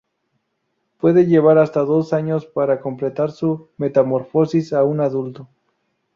Puede llevar hasta dos años para completar su metamorfosis a un adulto.